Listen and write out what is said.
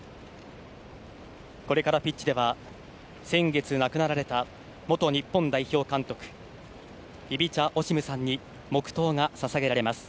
これからピッチでは先月、亡くなられた元日本代表監督イビチャ・オシムさんに黙祷が捧げられます。